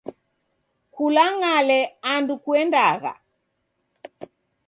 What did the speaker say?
Kulangale andu kuendagha.